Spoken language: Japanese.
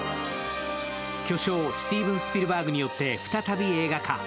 巨匠スティーブン・スピルバーグによって再び映画化。